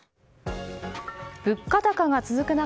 物価高が続く中